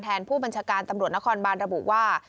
ผู้บัญชาการตำรวจนครบานระบุว่า